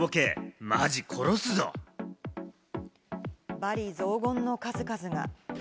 罵詈雑言の数々が。